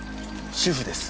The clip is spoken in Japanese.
主婦です。